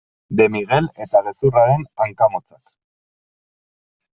De Miguel eta gezurraren hanka motzak.